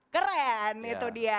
keren itu dia